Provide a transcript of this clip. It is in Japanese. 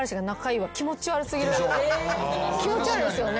気持ち悪いですよね。